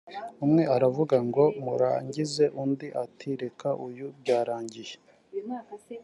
umwe aravuga ngo ‘murangize’ undi ati ‘reka uyu byarangiye’